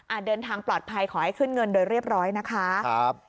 เดินทางปลอดภัยขอให้ขึ้นเงินโดยเรียบร้อยนะคะครับ